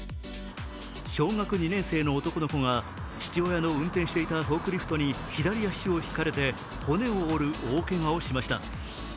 小学２年生の男の子が父親の運転していたフォークリフトに左足をひかれて骨を折る大けがをしました。